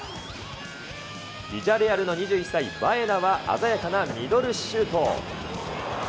ビジャレアルの２１歳、バエナは鮮やかなミドルシュート。